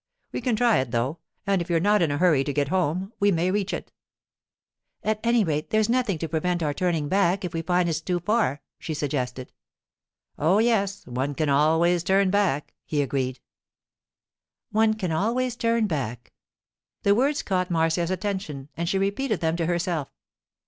We can try it, though; and if you're not in a hurry to get home, we may reach it.' 'At any rate, there's nothing to prevent our turning back if we find it's too far,' she suggested. 'Oh, yes; one can always turn back,' he agreed. 'One can always turn back.' The words caught Marcia's attention, and she repeated them to herself.